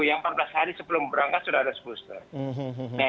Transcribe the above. yang empat belas hari sebelum berangkat sudah harus booster